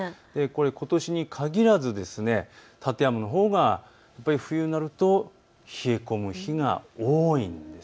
ことしに限らず館山のほうが冬になると冷え込む日が多いんです。